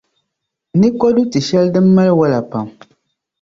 Ni kodu ti’ shεli din mali wola pam.